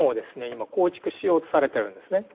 今構築しようとされてるんですね。